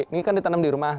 ini kan ditanam di rumah